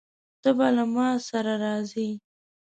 ته به له ما سره راځې؟